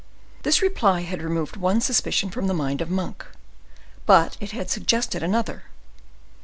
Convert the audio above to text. This reply had removed one suspicion from the mind of Monk, but it had suggested another.